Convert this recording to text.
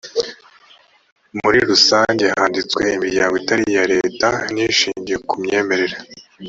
system muri rusange handitswe imiryango itari iya leta n ishingiye ku myemerere